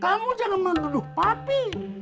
kamu jangan menuduh papi